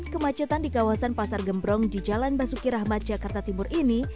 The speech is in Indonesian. kemacetan di kawasan pasar gembrong di jalan basuki rahmat jakarta timur ini